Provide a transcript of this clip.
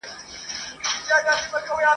بیرغ به بیا له لاسه نه وي لوېدلی.